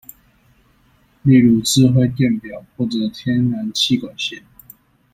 例如智慧電錶或者天然氣管線